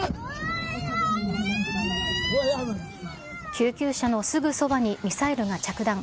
救急車のすぐそばにミサイルが着弾。